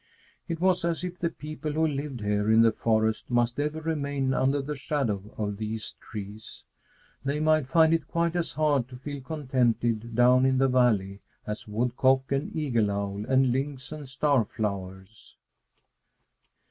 It was as if the people who lived here in the forest must ever remain under the shadow of these trees. They might find it quite as hard to feel contented down in the valley as woodcock and eagle owl and lynx and star flowers.